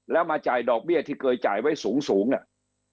แล้วมาจ่ายดอกเบี้ยที่เคยจ่ายไว้สูงน่ะ